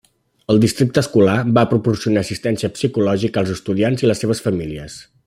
El districte escolar va proporcionar assistència psicològica als estudiants i les seves famílies.